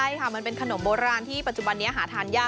ใช่ค่ะมันเป็นขนมโบราณที่ปัจจุบันนี้หาทานยาก